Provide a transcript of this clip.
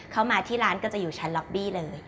มาที่ร้านก็จะอยู่ชั้นล็อบบี้เลย